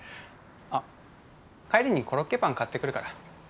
あっ帰りにコロッケパン買ってくるから。